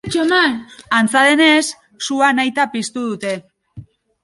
Antza denez, sua nahita piztu dute.